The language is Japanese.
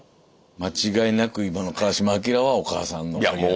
間違いなく今の川島明はお母さんのおかげやね。